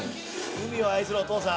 海を愛するお父さん。